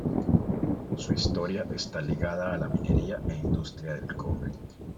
Su historia está ligada a la minería e industria del cobre.